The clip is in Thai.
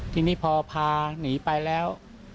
ทีนี้พอพาหนีไปแล้ว